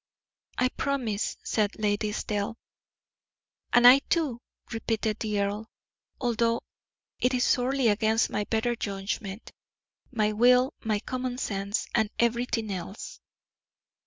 "I promise," said Lady Estelle. "And I too," repeated the earl, "although it is sorely against my better judgment, my will, my common sense, and everything else."